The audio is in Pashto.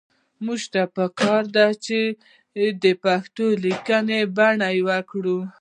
موږ ته پکار دي چې د پښتو لیکنۍ بڼه يوه کړو